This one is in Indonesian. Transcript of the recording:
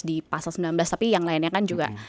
di pasal sembilan belas tapi yang lainnya kan juga